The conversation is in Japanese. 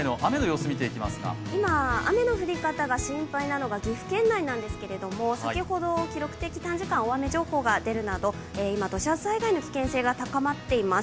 今、雨の降り方が心配なのが岐阜県内なんですけれども、先ほど記録的短時間大雨情報が出るなど今、土砂災害の危険性が高まっています。